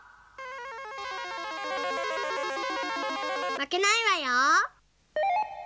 まけないわよ。